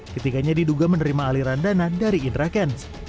ketiganya diduga menerima aliran dana dari indra kents